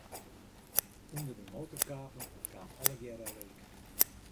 Under de motorkape kaam allegearre reek.